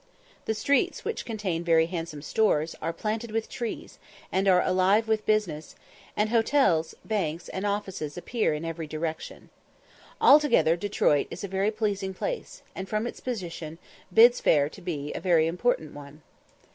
The streets, which contain very handsome stores, are planted with trees, and are alive with business; and hotels, banks, and offices appear in every direction. Altogether Detroit is a very pleasing place, and, from its position, bids fair to be a very important one.